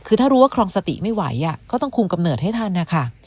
คือถ้ารู้ว่าครองสติไม่ไหวก็ต้องคุมกำเนิดให้ทันนะคะ